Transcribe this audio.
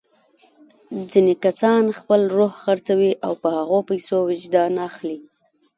ځینې کسان خپل روح خرڅوي او په هغو پیسو وجدان اخلي.